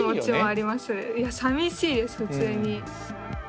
いやさみしいです普通に。